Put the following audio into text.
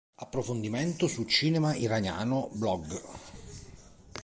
Approfondimento su Cinema Iraniano blog